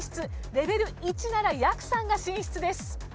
レベル１ならやくさんが進出です。